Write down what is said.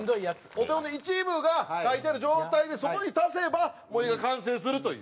お手本の一部が描いてある状態でそこに足せば絵が完成するという。